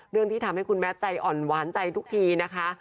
ที่ทำให้คุณแมทใจอ่อนหวานใจทุกทีนะคะ